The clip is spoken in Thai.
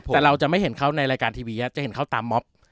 แต่เราจะไม่เห็นเขาในรายการทีวีจะเห็นเขาตามม็อบ